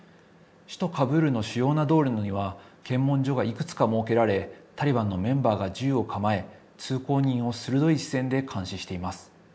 首都カブールの主要な道路には、検問所がいくつか設けられ、タリバンのメンバーが銃を構え、通行人を鋭い視線で監視しています。